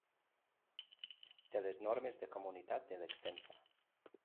Té les normes de comunitat de l'extensa.